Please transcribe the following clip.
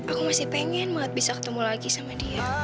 aku masih pengen banget bisa ketemu lagi sama dia